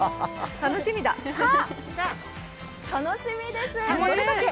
さあ、楽しみです。